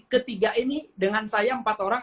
ketiga ini dengan saya empat orang